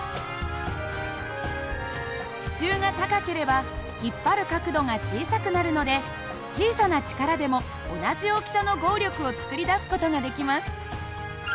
支柱が高ければ引っ張る角度が小さくなるので小さな力でも同じ大きさの合力を作り出す事ができます。